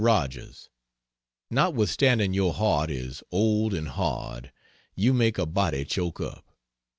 ROGERS, Notwithstanding your heart is "old and hard," you make a body choke up.